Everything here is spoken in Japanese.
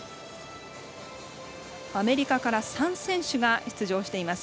アメリカから３選手が出場しています。